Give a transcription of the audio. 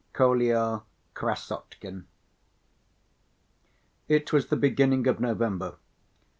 Kolya Krassotkin It was the beginning of November.